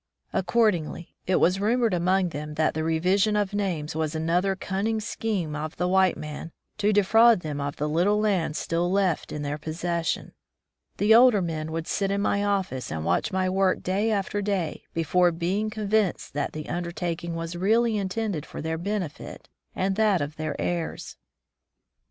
Accordingly, it was rumored among them that the revision of names was another cunning scheme of the white man to defraud them of the little land still left in their possession. The older men would sit in my ofllce and watch my work day after day, before being convinced that the under taking was really intended for their benefit 183 From the Deep Woods to Civilization and that of their heirs.